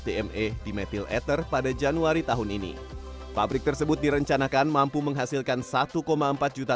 dme di methyl ether pada januari tahun ini pabrik tersebut direncanakan mampu menghasilkan satu empat juta